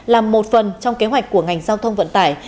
là một phần trong kế hoạch của ngành giao thông vận tải